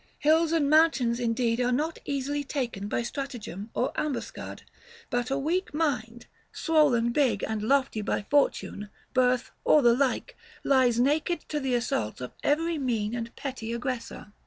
Hills and mountains indeed are not easily taken by strata gem or ambuscade ; but a weak mind, swollen big and lofty by fortune, birth, or the like, lies naked to the assaults of every mean and petty aggressor.